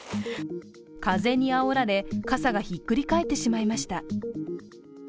風にあおられ、傘がひっくり返ってしまいました。